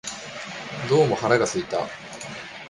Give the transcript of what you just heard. どうも腹が空いた